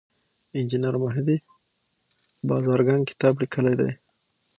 انجینیر مهدي بازرګان کتاب لیکلی دی.